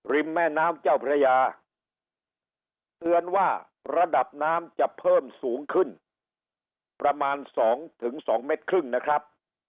แม่น้ำเจ้าพระยาเตือนว่าระดับน้ำจะเพิ่มสูงขึ้นประมาณ๒๒เมตรครึ่งนะครับ